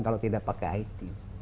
kalau tidak pakai it